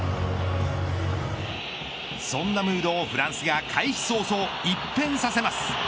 そんなムードをフランスが開始早々一変させます。